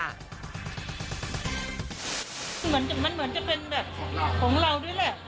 เหมือนมันเหมือนจะเป็นแบบของเราด้วยแหละ